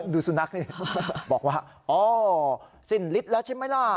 ดูสุนัขนี่บอกว่าอ๋อสิ้นฤทธิ์แล้วใช่ไหมล่ะ